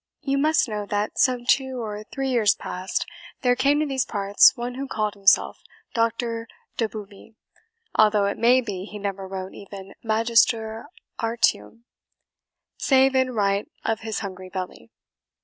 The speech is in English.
You must know that some two or three years past there came to these parts one who called himself Doctor Doboobie, although it may be he never wrote even MAGISTER ARTIUM, save in right of his hungry belly.